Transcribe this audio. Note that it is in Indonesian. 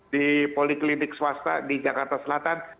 di poliklinik swasta di jakarta selatan